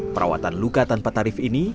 perawatan luka tanpa tarif ini